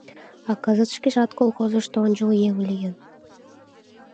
А кызыт шкежат колхозышто ончыл еҥ лийын.